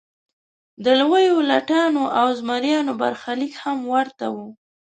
د لویو لټانو او زمریانو برخلیک هم ورته و.